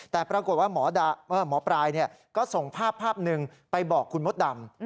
แต่ปรากฏว่าหมอปลายก็ส่งภาพหนึ่งไปบอกคุณมดดำ